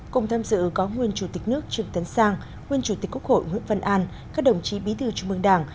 cùng tham dự có nguyên chủ tịch nước trương tấn sang nguyên chủ tịch quốc hội nguyễn văn an các đồng chí bí thư trung mương đảng